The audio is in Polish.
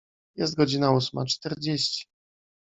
Jest godzina ósma czterdzieści.